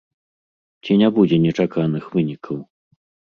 Ці не будзе нечаканых вынікаў?